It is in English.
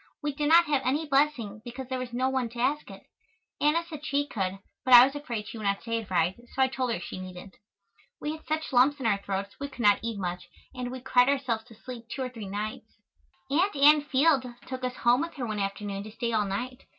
We did not have any blessing because there was no one to ask it. Anna said she could, but I was afraid she would not say it right, so I told her she needn't. We had such lumps in our throats we could not eat much and we cried ourselves to sleep two or three nights. Aunt Ann Field took us home with her one afternoon to stay all night.